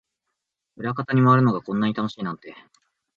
裏方に回るのがこんなに楽しいなんて